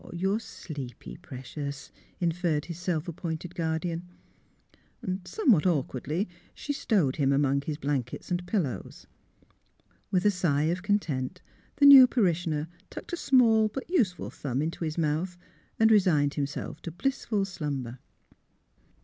" You're sleepy, precious," inferred his self appointed guardian. Somewhat awkwardly she stowed him among his blankets and pillows. With a sigh of content the new parishioner tucked a small, but useful 76 THE HEAET OF PHILURA thumb into his mouth and resigned himself to blissful slumber.